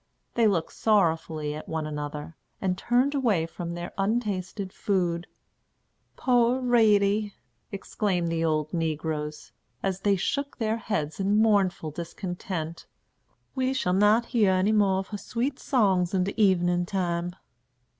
They looked sorrowfully at one another, and turned away from their untasted food. "Poor Ratie!" exclaimed the old negroes, as they shook their heads in mournful discontent, "we shall not hear any more her sweet songs in de evenin' time."